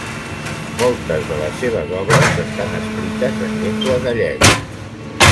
Moltes de les seves obres estan escrites en llengua gallega.